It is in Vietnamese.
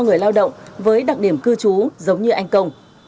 người lao động với đặc điểm cư trú giống như anh công